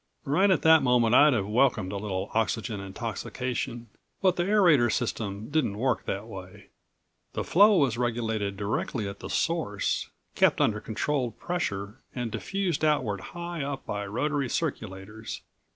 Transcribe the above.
Right at that moment I'd have welcomed a little oxygen intoxication but the aerator system didn't work that way. The flow was regulated directly at the source, kept under controlled pressure and diffused outward high up by rotary circulators.